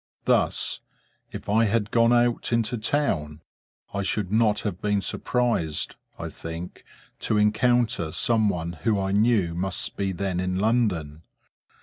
Thus, if I had gone out into the town, I should not have been surprised, I think, to encounter some one who I knew must be then in London.